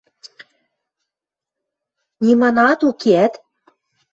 Ниманаат укеӓт?